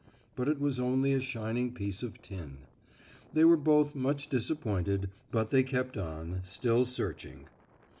But it was only a shining piece of tin. They were both much disappointed, but they kept on, still searching.